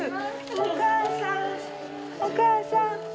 お母さんお母さん！